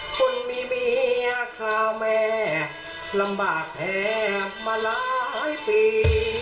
คนมีเมียคราวแม่ลำบากแท้มาหลายปี